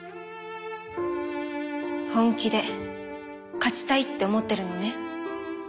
本気で勝ちたいって思ってるのね？